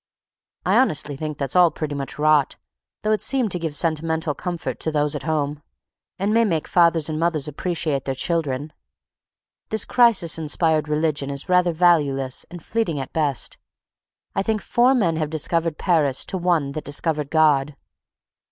I honestly think that's all pretty much rot, though it seemed to give sentimental comfort to those at home; and may make fathers and mothers appreciate their children. This crisis inspired religion is rather valueless and fleeting at best. I think four men have discovered Paris to one that discovered God.